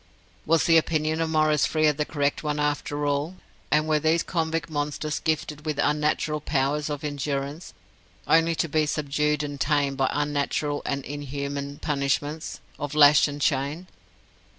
Was the opinion of Maurice Frere the correct one after all, and were these convict monsters gifted with unnatural powers of endurance, only to be subdued and tamed by unnatural and inhuman punishments of lash and chain?